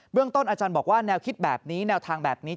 เรื่องต้นอาจารย์บอกว่าแนวคิดแบบนี้แนวทางแบบนี้